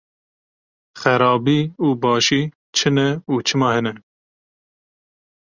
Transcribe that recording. Xerabî û başî çi ne û çima hene?